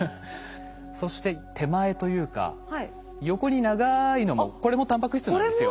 そして手前というか横に長いのもこれもタンパク質なんですよ。